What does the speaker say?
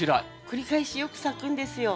繰り返しよく咲くんですよ。